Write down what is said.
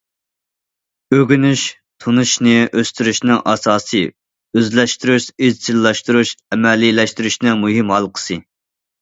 ئۆگىنىش تونۇشنى ئۆستۈرۈشنىڭ ئاساسىي، ئۆزلەشتۈرۈش ئىزچىللاشتۇرۇش، ئەمەلىيلەشتۈرۈشنىڭ مۇھىم ھالقىسى.